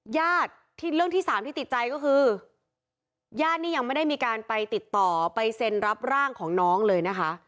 ญาติที่เรื่องที่สามที่ติดใจก็คือญาตินี่ยังไม่ได้มีการไปติดต่อไปเซ็นรับร่างของน้องเลยนะคะ